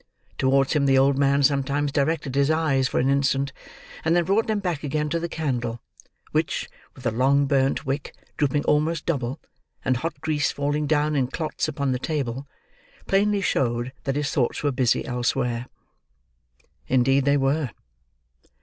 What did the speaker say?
Towards him the old man sometimes directed his eyes for an instant, and then brought them back again to the candle; which with a long burnt wick drooping almost double, and hot grease falling down in clots upon the table, plainly showed that his thoughts were busy elsewhere. Indeed they were.